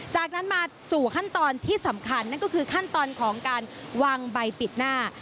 จากนั้นมาสู่ขั้นตอนที่สำคัญนั่นก็คือขั้นตอนของการวางใบปิดหน้า